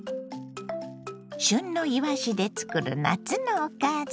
旬のいわしで作る夏のおかず。